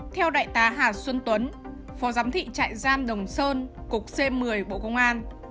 theo đại tá hà xuân tuấn phó giám thị trại giam đồng sơn cục c một mươi bộ công an